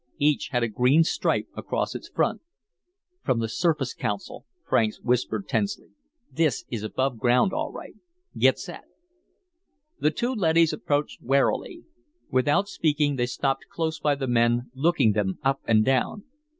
Each had a green stripe across its front. "From the Surface Council," Franks whispered tensely. "This is above ground, all right. Get set." The two leadys approached warily. Without speaking, they stopped close by the men, looking them up and down.